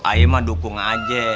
ayo mah dukung aja